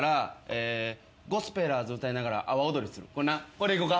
これでいこうか。